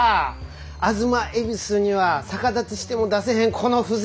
東夷には逆立ちしても出せへんこの風情。